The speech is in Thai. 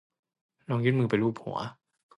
ลองยื่นมือไปลูบหัว